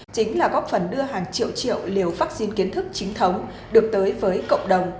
chính là góp phần đưa hàng triệu triệu liều vaccine kiến thức chính thống được tới với cộng đồng